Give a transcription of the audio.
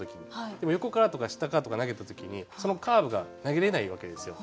でも横からとか下からとか投げた時にそのカーブが投げれないわけですよ。